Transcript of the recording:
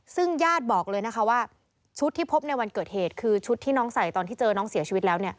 ซึ่งญาติบอกเลยนะคะว่าชุดที่พบในวันเกิดเหตุคือชุดที่น้องใส่ตอนที่เจอน้องเสียชีวิตแล้ว